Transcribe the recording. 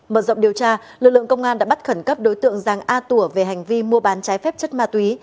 mở rộng điều tra lực lượng công an đã bắt khẩn cấp đối tượng giàng a tủa về hành vi mua bán trái phép chất ma túy